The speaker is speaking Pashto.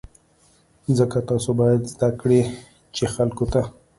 ځکه تاسو باید زده کړئ چې خلکو ته.